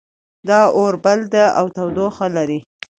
دا اور بل ده او تودوخه لري